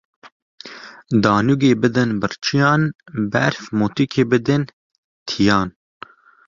Danûgê bidin birçiyan, berfmotikê bidin tiyan